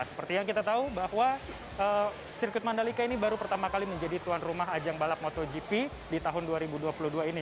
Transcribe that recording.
seperti yang kita tahu bahwa sirkuit mandalika ini baru pertama kali menjadi tuan rumah ajang balap motogp di tahun dua ribu dua puluh dua ini